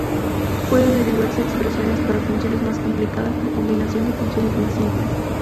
Puede derivarse expresiones para funciones más complicadas por combinación de funciones más simples.